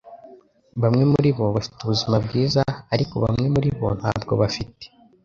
Bamwe muribo bafite ubuzima bwiza ariko bamwe muribo ntabwo bafite